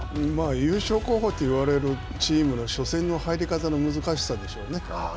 優勝候補といわれるチームの初戦の入り方の難しさでしょうね。